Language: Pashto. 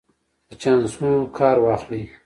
چانسونو کار واخلئ.